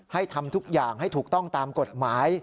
ให้ทำทุกอย่างให้ถูกต้องตามกฎหมาย